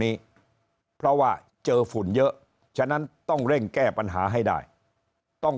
นี้เพราะว่าเจอฝุ่นเยอะฉะนั้นต้องเร่งแก้ปัญหาให้ได้ต้อง